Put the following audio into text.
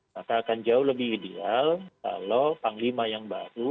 maka akan jauh lebih ideal kalau panglima yang baru